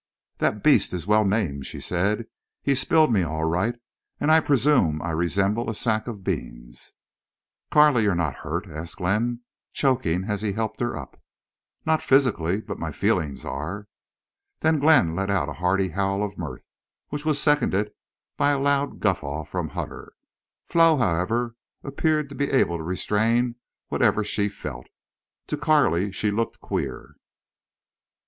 "That beast is well named," she said. "He spilled me, all right. And I presume I resembled a sack of beans." "Carley—you're—not hurt?" asked Glenn, choking, as he helped her up. "Not physically. But my feelings are." Then Glenn let out a hearty howl of mirth, which was seconded by a loud guffaw from Hutter. Flo, however, appeared to be able to restrain whatever she felt. To Carley she looked queer.